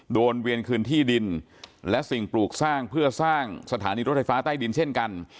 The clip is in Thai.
เวียนคืนที่ดินและสิ่งปลูกสร้างเพื่อสร้างสถานีรถไฟฟ้าใต้ดินเช่นกัน